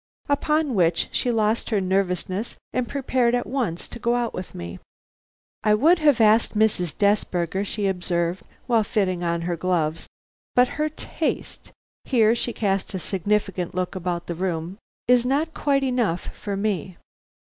Upon which she lost her nervousness and prepared at once to go out with me. "I would have asked Mrs. Desberger," she observed while fitting on her gloves, "but her taste" here she cast a significant look about the room "is not quiet enough for me."